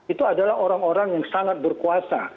itu adalah orang orang yang sangat berkuasa